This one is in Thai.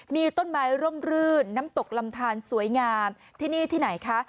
มีต้นไม้ร่มรื่นน้ำตกลำทานสวยงามที่นี่ที่ไหนคะ